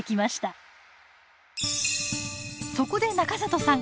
そこで中里さん